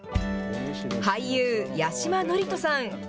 俳優、八嶋智人さん。